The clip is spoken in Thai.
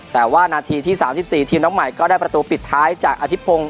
แต่ว่านาทีที่๓๔ทีมน้องใหม่ก็ได้ประตูปิดท้ายจากอธิพงศ